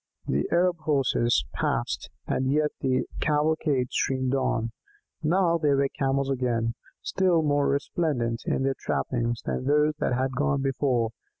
The Arab Horses passed, and yet the cavalcade streamed on. Now there were Camels again, still more resplendent in their trappings than those that had gone before.